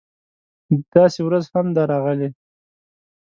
داسې ورځ هم ده راغلې